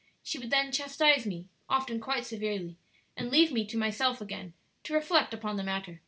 She would then chastise me, often quite severely, and leave me to myself again to reflect upon the matter.